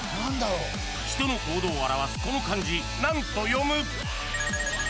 人の行動を表すこの漢字何と読む？